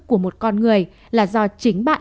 của một con người là do chính bạn